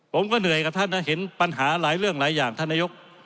ผมก็เหนื่อยกับท่านนะเห็นปัญหาหลายเรื่องหลายอย่างท่านนายก